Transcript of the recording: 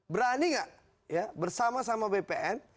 berani gak ya bersama sama bpn